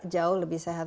jauh lebih sehat